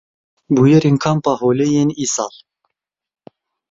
Bûyerên Kampa Holê yên îsal.